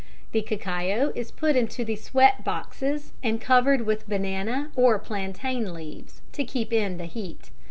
The cacao is put into the "sweat" boxes and covered with banana or plantain leaves to keep in the heat.